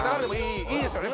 いいですからね